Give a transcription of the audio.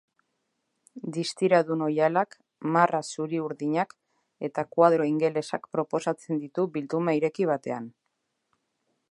Distiradun oihalak, marra zuri-urdinak eta koadro ingelesak proposatzen ditu bilduma ireki batean.